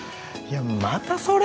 またそれ？